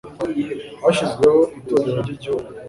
hashyizweho itorero ry'igihugu